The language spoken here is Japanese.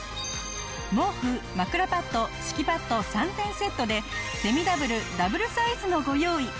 毛布枕パッド敷きパッド３点セットでセミダブルダブルサイズもご用意。